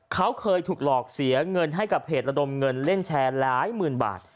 เขาเคยถูกหลอกเสียเงินให้กับเพจระดมเงินเล่นแชร์หลายหมื่นบาท